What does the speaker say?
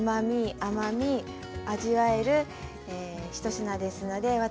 甘み味わえる１品ですので私